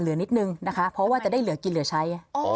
เหลือนิดนึงนะคะเพราะว่าจะได้เหลือกินเหลือใช้